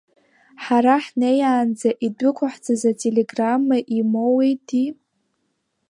Хара ҳнеиаанӡа идәықәаҳҵаз ателеграмма имоуеи, ди?